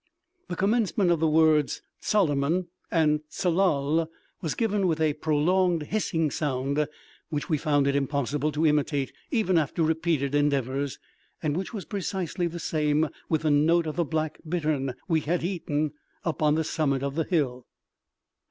The commencement of the words _Tsalemon_and Tsalal was given with a prolonged hissing sound, which we found it impossible to imitate, even after repeated endeavors, and which was precisely the same with the note of the black bittern we had eaten up on the summit of the hill.